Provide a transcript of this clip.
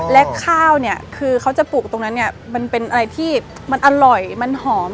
และข้าวเนี่ยคือเขาจะปลูกตรงนั้นเนี่ยมันเป็นอะไรที่มันอร่อยมันหอม